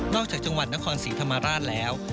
จากจังหวัดนครศรีธรรมราชแล้ว